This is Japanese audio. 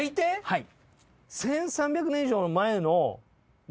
はい。